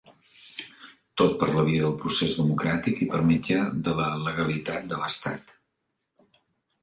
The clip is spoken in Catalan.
Tot per la via del procés democràtic i per mitjà de la legalitat de l'Estat.